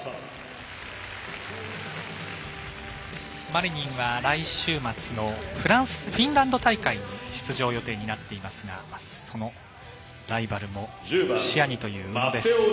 マリニンは来週末のフィンランド大会に出場予定になっていますがそのライバルも視野にという宇野です。